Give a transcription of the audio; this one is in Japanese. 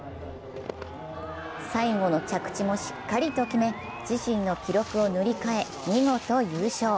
最後の着地もしっかりと決め自身の記録を塗り替え見事優勝。